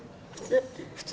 普通。